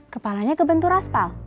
kepalanya kebenturas pal